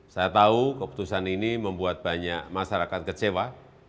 saya tahu keputusan ini membuat banyak masyarakat kecewa